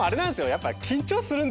やっぱ。